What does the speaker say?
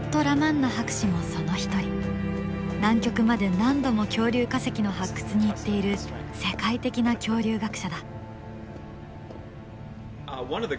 南極まで何度も恐竜化石の発掘に行っている世界的な恐竜学者だ。